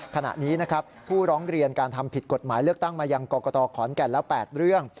ขณะนี้นะครับผู้ร้องเรียนการทำผิดกฎหมายเลือกตั้งมายังกรกตขอนแก่นแล้ว๘เรื่อง